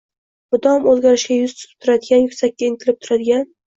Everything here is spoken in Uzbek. mudom o‘zgarishga yuz tutib turadigan, yuksakka intilib turadigan